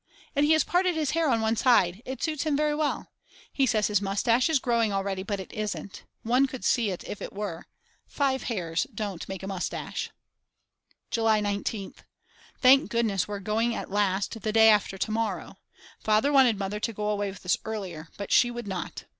And he has parted his hair on one side, it suits him very well. He says his moustache is growing already but it isn't; one could see it if it were; five hairs don't make a moustache. July 19th. Thank goodness we're going at last the day after to morrow. Father wanted Mother to go away with us earlier, but she would not.